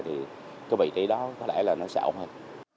thì cái vị trí đó có lẽ là nó sẽ ổn hơn